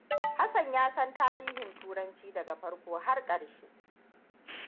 Hassan ya san tarihin Turanci daga farko har ƙarshe.